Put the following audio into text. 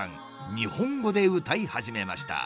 日本語で歌い始めました。